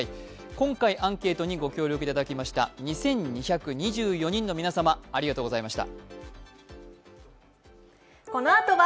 今回アンケートにご協力いただいた皆様、ありがとうございました。